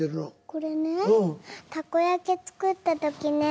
これねたこ焼き作った時ね